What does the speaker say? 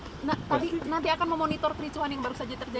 tapi nanti akan memonitor pericuan yang baru saja terjadi nggak pak